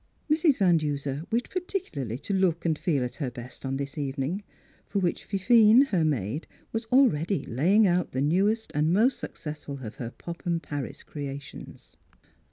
Mrs. Van Duser wished particularly to look and feel at her best on this evening, for which Fifine, her maid, was already laying out the newest and most successful of her Popham Paris creations.